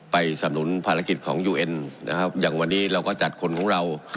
สำนุนภารกิจของยูเอ็นนะครับอย่างวันนี้เราก็จัดคนของเรา